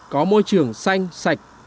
có môi trường xanh sạch